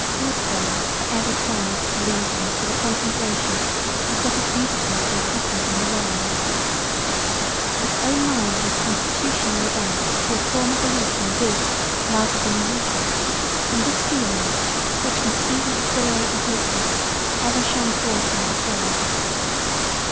Woodville for ever tried to lead me to the contemplation of what is beautiful and happy in the world. His own mind was constitunially bent to a former belief in good [rather] than in evil and this feeling which must even exhilirate the hopeless ever shone forth in his words.